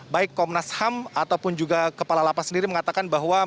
baik komnas ham ataupun juga kepala lapas sendiri mengatakan bahwa